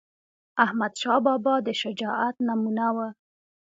احمدشاه بابا د شجاعت نمونه وه..